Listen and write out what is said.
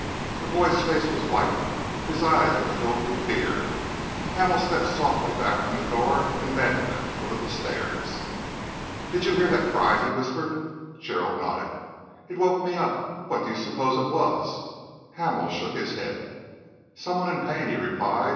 The boy's face was white, and his eyes were filled with fear. Hamel stepped softly back from the door and met him at the foot of the stairs. "Did you hear that cry?" he whispered. Gerald nodded. "It woke me up. What do you suppose it was?" Hamel shook his head. "Some one in pain," he replied.